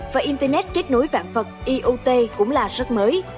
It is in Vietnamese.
và internet kết nối vạn vật iot cũng là rất mới